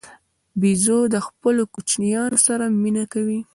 بیزو د خپلو کوچنیانو سره مینه کوي.